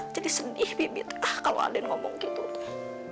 jadi sedih bibi ah kalau aden ngomong gitu tuh